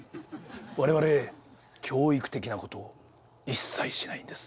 我々教育的なことを一切しないんです。